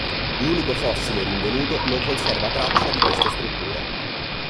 L'unico fossile rinvenuto non conserva traccia di queste strutture.